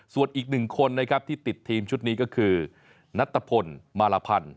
ส่วนอีกหนึ่งคนนะครับที่ติดทีมชุดนี้ก็คือนัตตะพลมารพันธ์